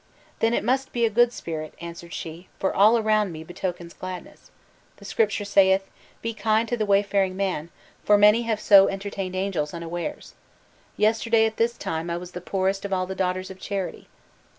"Then it must be a good spirit," answered she; "for all around me betokens gladness. The Scripture saith, 'Be kind to the wayfaring man, for many have so entertained angels unawares!' Yesterday at this time I was the poorest of all the daughters of charity.